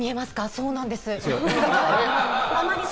そうなんです。